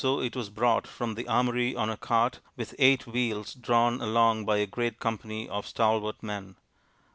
So it was brought from the armoury on a cart with eight wheels drawn along by a great company of stalwart men.